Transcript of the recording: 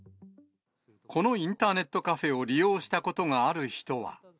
このインターネットカフェを利用したことがある人は。